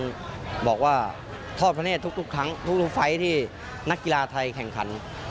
พร้อมท่านก็จะทอดประเทศทุกฝัยที่นักกีฬาไทยแข่งขัน